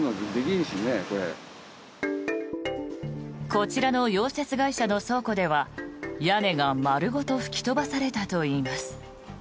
こちらの溶接会社の倉庫では屋根が丸ごと吹き飛ばされたといいます。